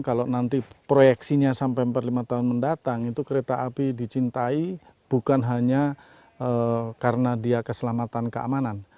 kalau nanti proyeksinya sampai empat puluh lima tahun mendatang itu kereta api dicintai bukan hanya karena dia keselamatan keamanan